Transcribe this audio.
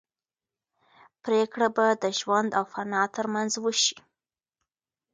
پرېکړه به د ژوند او فنا تر منځ وشي.